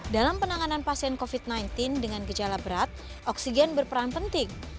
dalam penanganan pasien covid sembilan belas dengan gejala berat oksigen berperan penting